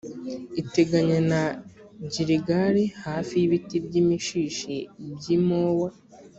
iteganye na giligali, hafi y’ibiti by’imishishi by’i more.